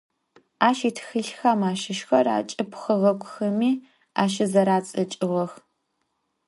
Aş yitxılhxem aşışxer 'eç'ıb xeğeguxemi aşızeradzeç'ığex.